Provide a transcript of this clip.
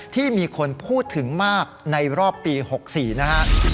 ที่มีคนพูดถึงมากในรอบปี๖๔นะฮะ